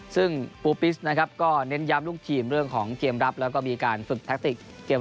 ซึ่งปูปลิงนะครับก็เน้นย้ำรุ่งทีมเรื่องของเกมรับแล้วก็มีการฝึก